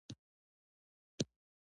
د شلمې پېړۍ جاهلیت ده.